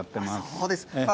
そうですか。